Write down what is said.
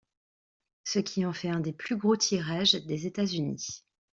Ce qui en fait un des plus gros tirages des États-Unis.